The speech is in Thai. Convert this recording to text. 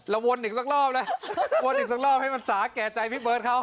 วนอีกสักรอบเลยวนอีกสักรอบให้มันสาแก่ใจพี่เบิร์ตเขา